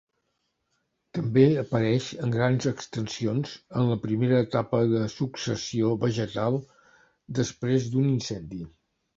També apareix en grans extensions en la primera etapa de successió vegetal després d'un incendi.